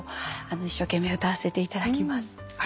一生懸命歌わせていただきます。